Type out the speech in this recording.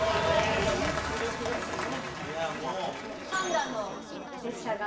パンダの列車が。